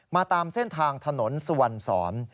มาตามเส้นทางถนนสวรรค์สรอน